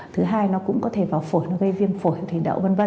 thứ hai nó cũng có thể vào phổi nó gây viêm phổi thủy đậu v v